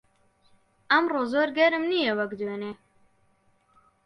ئەمڕۆ زۆر گەرم نییە وەک دوێنێ.